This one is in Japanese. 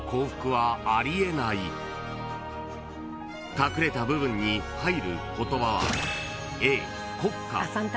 ［隠れた部分に入る言葉は］